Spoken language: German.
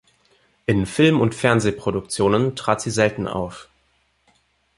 In Film- und Fernsehproduktionen trat sie selten auf.